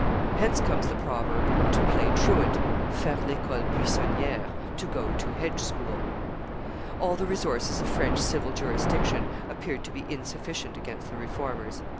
Hence comes the proverb, to play truant (faire l'ecole buissonniere to go to hedge school). All the resources of French civil jurisdiction appeared to be insufficient against the Reformers.